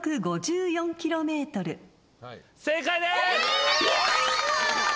正解です！